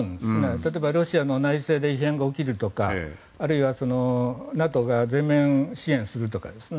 例えばロシアの内政で異変が起きるとかあるいはＮＡＴＯが全面支援するとかですね。